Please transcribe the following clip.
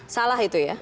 salah itu ya